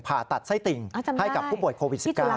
ผ่าตัดไส้ติ่งให้กับผู้ป่วยโควิด๑๙